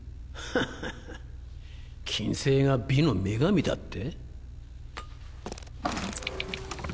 フフフ金星が美の女神だって？